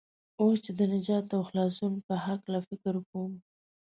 اوس چې د نجات او خلاصون په هلکه فکر کوم.